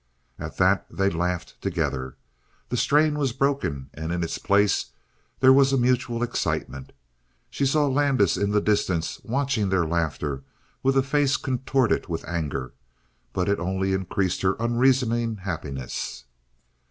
At that they laughed together. The strain was broken and in its place there was a mutual excitement. She saw Landis in the distance watching their laughter with a face contorted with anger, but it only increased her unreasoning happiness.